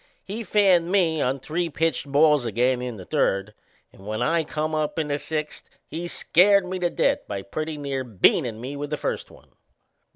He fanned me on three pitched balls again in the third, and when I come up in the sixth he scared me to death by pretty near beanin' me with the first one.